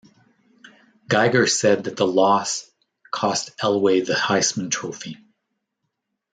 Geiger said that the loss cost Elway the Heisman Trophy.